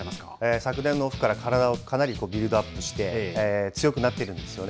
昨年のオフから体をかなりビルドアップして、強くなっているんですよね。